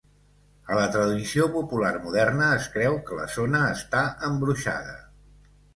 A la tradició popular moderna, es creu que la zona està embruixada.